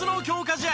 試合